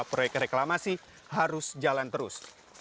proyek reklamasi harus jalan terus